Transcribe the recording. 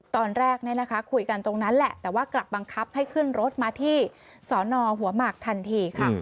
ตอนแรกคุยกันตรงนั้นแหละแต่ว่ากลับบังคับให้ขึ้นรถมาที่สอนอหัวหมากทันทีค่ะ